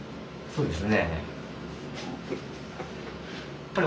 そうです。